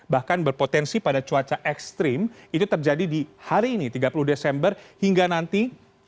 bahkan berpotensi pada cuaca ekstrim ini terjadi di hari ini tiga puluh desember hingga nanti